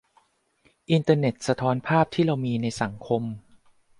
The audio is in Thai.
อินเทอร์เน็ตสะท้อนภาพที่เรามีในสังคม